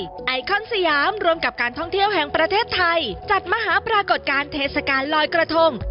ไอคอนสยามรวมกับการท่องเที่ยวแห่งประเทศไทยจัดมหาปรากฏการณ์เทศกาลลอยกระทง